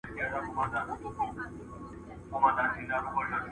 شپې لېونۍ وای له پایکوبه خو چي نه تېرېدای `